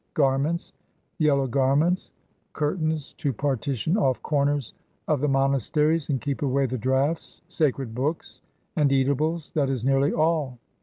Garments, yellow garments, curtains to partition off corners of the monasteries and keep away the draughts, sacred books and eatables that is nearly all.